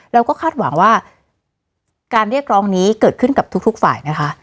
เราก็คาดหวังว่าการเรียกร้องนี้เกิดขึ้นกับทุกฝ่ายนะคะ